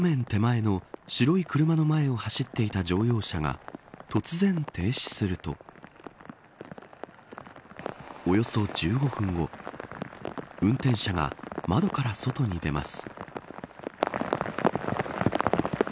手前の白い車の前を走っていた乗用車が突然停止するとおよそ１５分後運転者が窓から外に出ます。